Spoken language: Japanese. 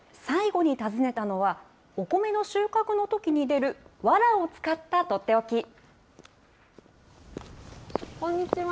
最後に訪ねたのは、お米の収穫のときに出るわらを使った取って置き。